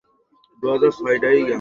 জানি না এই প্রহরী লোকটা গেল কোথায়!